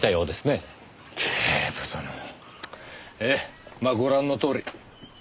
ええまあご覧のとおり。